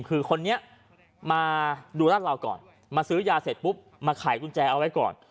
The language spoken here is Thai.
จะทำงานเป็นทีมคือคนนี้มาดูรัฐเราก่อนมาซื้อยาเสร็จปุ๊บมาขายกุญแจเอาไว้ก่อน